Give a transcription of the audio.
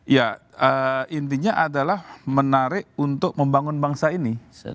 ya intinya adalah menarik untuk membangun bangsa ini